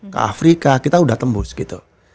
ke afrika kita udah tembus gitu